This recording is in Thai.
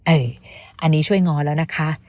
อันนี้ช่วยง้อแล้วนะคะ